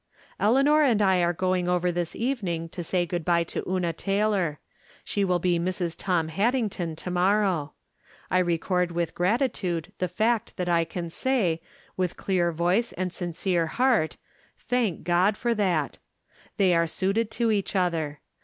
Eleanor and I are going over this evening to say good bye to Una Taylor. She will be Mrs. Tom Haddington to morrow. I record with gratitude the fact that I can say, with clear voice and sincere heart, thank God for that ! They are suited to each other.